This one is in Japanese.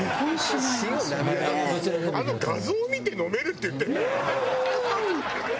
「あの画像見て飲めるって言ってんだからもう」